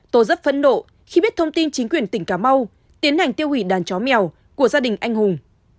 tôi rất phẫn nộ khi biết thông tin chính quyền tỉnh cà mau tiến hành tiêu hủy đàn chó mèo của gia đình anh hùng